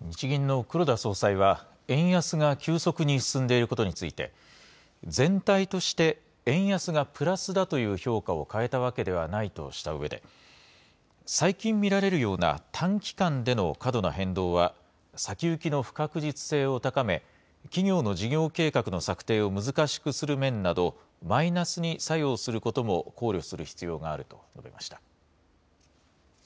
日銀の黒田総裁は、円安が急速に進んでいることについて、全体として円安がプラスだという評価を変えたわけではないとしたうえで、最近見られるような短期間での過度な変動は、先行きの不確実性を高め、企業の事業計画の策定を難しくする面など、マイナスに作用することも考慮する必要があると述べました。